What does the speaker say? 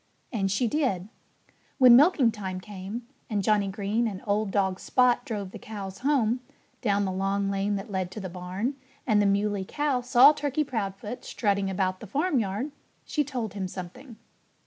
And she did. When milking time came, and Johnnie Green and old dog Spot drove the cows home, down the long lane that led to the barn, and the Muley Cow saw Turkey Proudfoot strutting about the farmyard, she told him something.